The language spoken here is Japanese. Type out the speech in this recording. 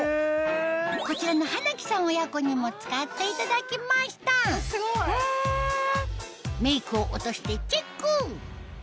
こちらの花木さん親子にも使っていただきましたメイクを落としてチェック